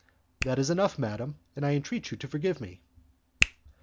"That is enough, madam, and I entreat you to forgive me."